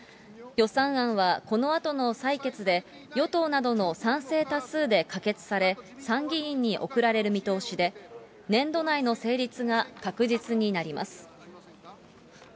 予算案はこのあとの採決で、与党などの賛成多数で可決され、参議院に送られる見通しで、年度内の成立が確実になります。